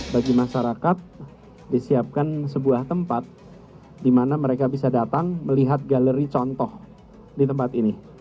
bagi masyarakat disiapkan sebuah tempat di mana mereka bisa datang melihat galeri contoh di tempat ini